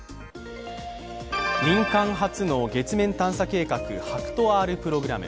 民間初の月面探査計画ＨＡＫＵＴＯ−Ｒプログラム。